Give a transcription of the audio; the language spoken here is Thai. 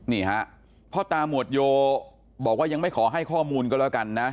นี่ฮะพ่อตามวดโยบอกว่ายังไม่ขอให้ข้อมูลก็แล้วกันนะ